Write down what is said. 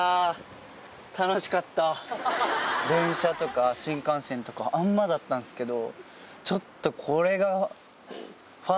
電車とか新幹線とかあんまだったんですけど。